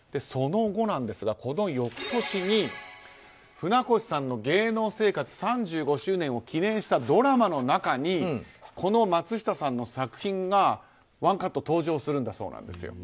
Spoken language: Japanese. その後ですが、この翌年に船越さんの芸能生活３５周年を記念したドラマの中にこの松下さんの作品がワンカット登場するんだそうです。